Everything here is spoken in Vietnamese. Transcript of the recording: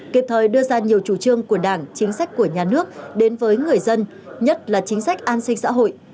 kịp thời đưa ra nhiều chủ trương của đảng chính sách của nhà nước đến với người dân nhất là chính sách an sinh xã hội